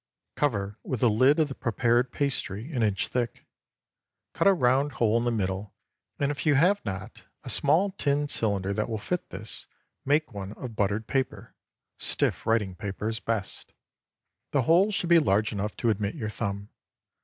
Cover with a lid of the prepared pastry an inch thick. Cut a round hole in the middle, and if you have not a small tin cylinder that will fit this, make one of buttered paper; stiff writing paper is best. The hole should be large enough to admit your thumb.